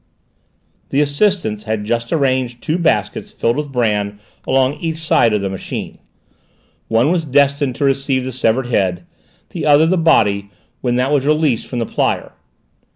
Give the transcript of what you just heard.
The assistants had just arranged two baskets filled with bran along each side of the machine; one was destined to receive the severed head, the other the body when that was released from the plyer.